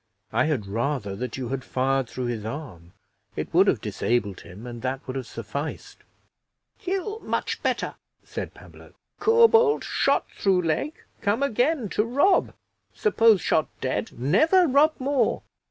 I had rather that you had fired through his arm it would have disabled him, and that would have sufficed." "Kill much better," said Pablo. "Corbould shot through leg, come again to rob; suppose shot dead, never rob more."